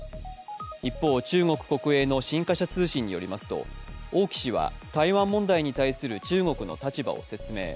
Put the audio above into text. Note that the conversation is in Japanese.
一方、中国国営の新華社通信によりますと、王毅氏は台湾問題に対する中国の立場を説明。